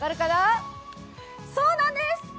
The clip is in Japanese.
そうなんです！